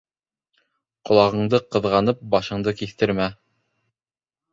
Ҡолағыңды ҡыҙғанып, башыңды киҫтермә.